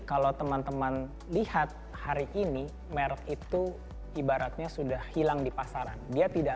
kalau teman teman lihat hari ini merek itu ibaratnya sudah hilang di pasaran dia tidak